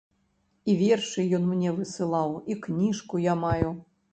І вершы ён мне высылаў, і кніжку я маю.